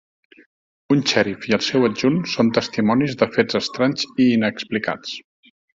Un xèrif i el seu adjunt són testimonis de fets estranys i inexplicats.